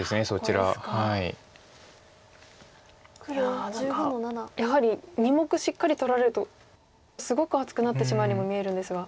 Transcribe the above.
いや何かやはり２目しっかり取られるとすごく厚くなってしまうようにも見えるんですが。